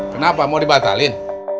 kenapa mau dibatalin